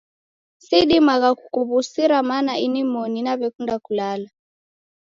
Sidimagha kukuw'usira mana inmoni naw'ekunda kulala.